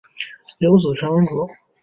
有子陈文烛。